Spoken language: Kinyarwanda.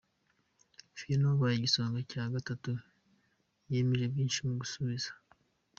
Fiona wabaye igisonga cya gatatu yemeje benshi mu gusubiza.